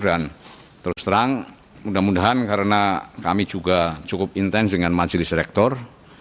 dan terus terang mudah mudahan karena kami juga cukup intens dengan majelis rektor